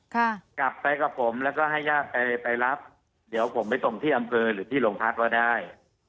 กลับไปกับผมแล้วก็ให้ญาติไปไปรับเดี๋ยวผมไปส่งที่อำเภอหรือที่โรงพักว่าได้